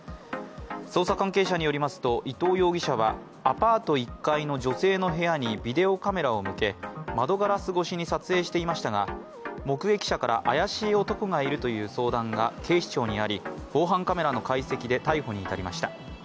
捜査関係者によりますと、伊藤容疑者はアパート１階の女性の部屋にビデオカメラを向け、窓ガラス越しに撮影していましたが、目撃者から怪しい男がいるという相談が警視庁にあり、防犯カメラの解析で逮捕に至りました。